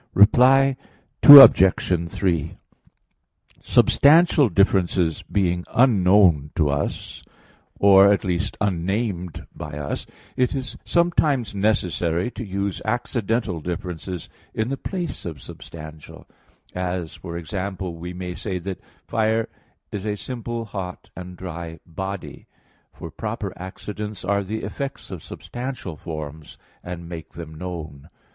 Reply Obj. 3: Substantial differences being unknown to us, or at least unnamed by us, it is sometimes necessary to use accidental differences in the place of substantial; as, for example, we may say that fire is a simple, hot, and dry body: for proper accidents are the effects of substantial forms, and make them known.